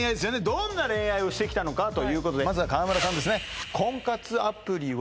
どんな恋愛をしてきたのかということでまずは川村さんですね